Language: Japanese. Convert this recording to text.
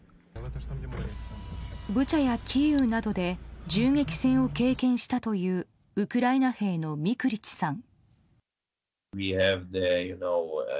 ブチャやキーウなどで銃撃戦を経験したというウクライナ兵のミクリチさん。